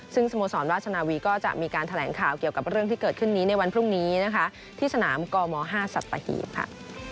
ซึ่งสโมสรราชนาวีก็จะมีการแถลงข่าวเกี่ยวกับเรื่องที่เกิดขึ้นนี้ในวันพรุ่งนี้นะคะที่สนามกม๕สัตหีบค่ะ